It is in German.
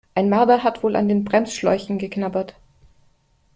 Ein Marder hat wohl an den Bremsschläuchen geknabbert.